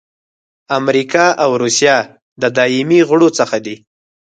امریکا او روسیه د دایمي غړو څخه دي.